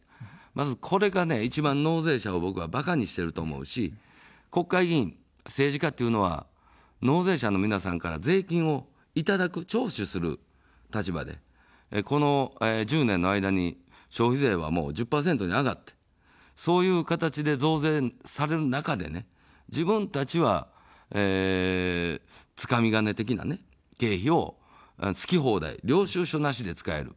まずこれが一番、納税者を僕はバカにしてると思うし、国会議員、政治家というのは納税者の皆さんから税金をいただく、徴収する立場で、この１０年の間に消費税は１０％に上がって、そういう形で増税される中で、自分たちは、つかみ金的な経費を好き放題、領収書なしで使える。